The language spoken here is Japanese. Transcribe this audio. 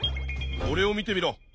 おれを見てみろ。